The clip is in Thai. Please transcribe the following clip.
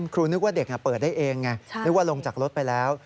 นึกว่าเด็กเปิดได้เองไงนึกว่าลงจากรถไปแล้ว